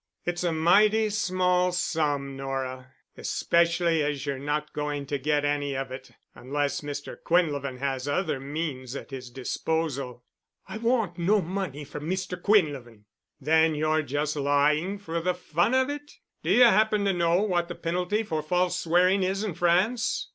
"It's a mighty small sum, Nora—especially as you're not going to get any of it—unless Mr. Quinlevin has other means at his disposal." "I want no money from Mr. Quinlevin." "Then you're just lying for the fun of it? Do you happen to know what the penalty for false swearing is in France?"